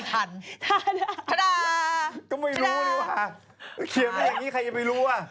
ถาด้าเลยคะเฮ้ยพี่นุ่ม